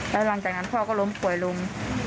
แล้วหลังจากนั้นพ่อก็ล้มป่วยลง